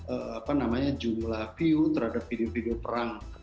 apa namanya jumlah view terhadap video video perang